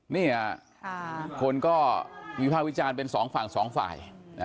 นี่อะคนก็มีภาควิจารณ์เป็น๒ฝั่ง๒ฝ่าย